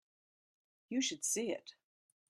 You should see it.